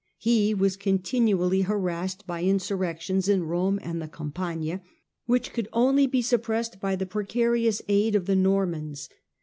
He was continually harassed by insurrections in Rome and the Oampagna, which could only be sup pressed by the precarious aid of the Normans.